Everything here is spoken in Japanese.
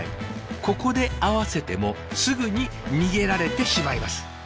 ここでアワせてもすぐに逃げられてしまいます。